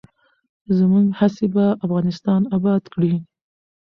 زموږ هڅې به افغانستان اباد کړي.